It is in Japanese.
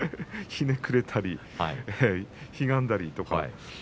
ひねくれたり、ひがんだりとか。